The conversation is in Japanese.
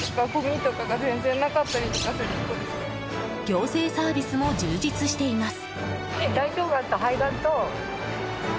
行政サービスも充実しています。